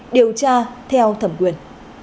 điều tra theo thẩm quyền